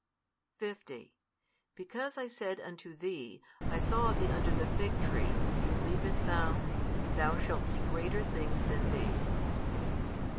50 Because I said unto thee, I saw thee under the fig tree, believest thou? thou shalt see greater things than these.